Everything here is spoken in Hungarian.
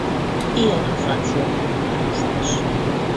Ilyen a francia elnökválasztás.